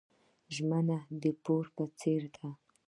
ژمنه د پور په څیر ده.